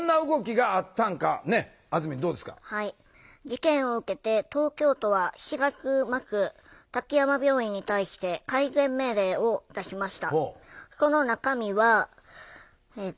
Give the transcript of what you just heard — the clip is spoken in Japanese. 事件を受けて東京都は４月末滝山病院に対して改善命令を出しました。